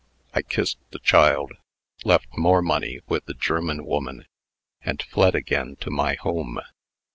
I kissed the child, left more money with the German woman, and fled again to my home.